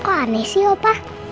kok aneh sih opa